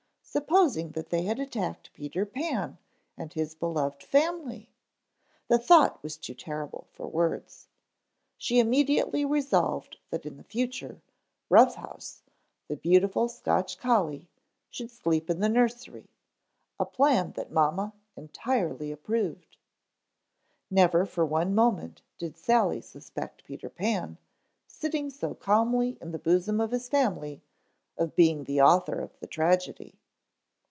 Supposing that they had attacked Peter Pan and his beloved family? The thought was too terrible for words. She immediately resolved that in the future, Rough House, the beautiful Scotch collie, should sleep in the nursery, a plan that mamma entirely approved. Never for one moment did Sally suspect Peter Pan, sitting so calmly in the bosom of his family, of being the author of the tragedy.